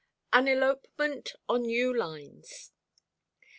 AN ELOPEMENT ON NEW LINES.